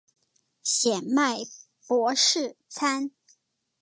显脉柏氏参